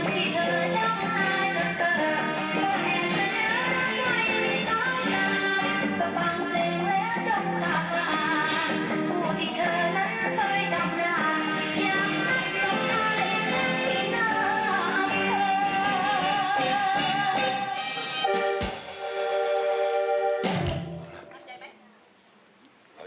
ครับ